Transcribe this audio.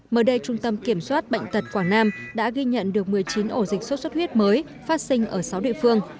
mới đây trung tâm kiểm soát bệnh tật quảng nam đã ghi nhận được một mươi chín ổ dịch sốt xuất huyết mới phát sinh ở sáu địa phương